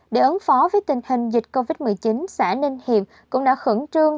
để ứng phó với tình hình dịch covid một mươi chín xã ninh hiệp cũng đã khẩn trương